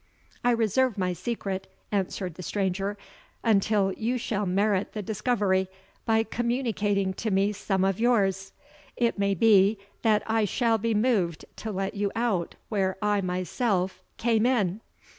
"I reserve my secret," answered the stranger, "until you shall merit the discovery by communicating to me some of yours. It may be that I shall be moved to let you out where I myself came in."